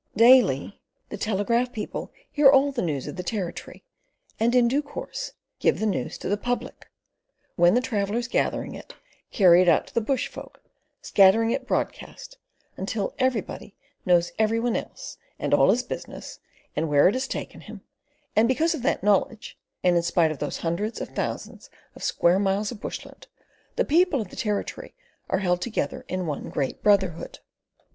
Daily the telegraph people hear all the news of the Territory, and in due course give the news to the public, when the travellers gathering it, carry it out to the bushfolk, scattering it broadcast, until everybody knows every one else, and all his business and where it has taken him; and because of that knowledge, and in spite of those hundreds of thousands of square miles of bushland, the people of the Territory are held together in one great brotherhood.